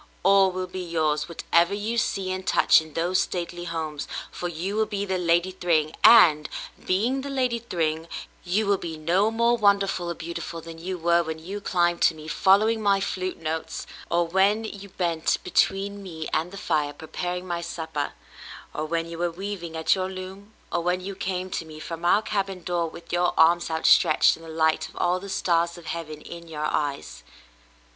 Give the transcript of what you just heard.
All will be yours, whatever you see and touch in those stately homes — for you will be the Lady Thryng, and, being the Lady Thryng, you will be no more wonderful or beautiful than you were when you climbed to me, following my flute notes, or w^hen you bent between me and the fire preparing my supper, or when you were weav ing at your loom, or when you came to me from our cabin door with your arms outstretched and the light of all the stars of heaven in your eyes."